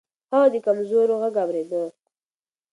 هغه د کمزورو غږ اورېده.